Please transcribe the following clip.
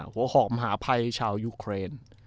หัวห่อมหาภัยชาวยุเครน